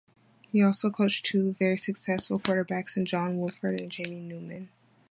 He has also coached two very successful quarterbacks in John Wolford and Jamie Newman.